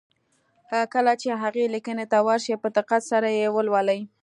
کله چې هغې ليکنې ته ور شئ په دقت سره يې ولولئ.